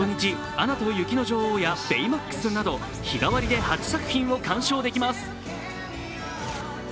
「アナと雪の女王」や「ベイマックス」など日替わりで８作品を鑑賞できます。